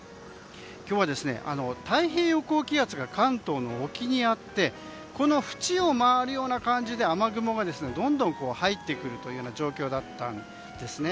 今日は、太平洋高気圧が関東の沖にあってこのふちを回るような感じで雨雲がどんどん入ってくるというような状況だったんですね。